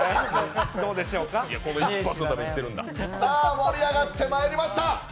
盛り上がってまいりました。